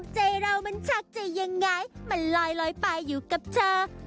ใจเรามันชักใจยังไงมันลอยไปอยู่กับเธอ